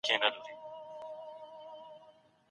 ایا بهرني سوداګر انځر پلوري؟